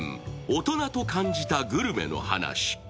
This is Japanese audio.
大人と感じたグルメの話。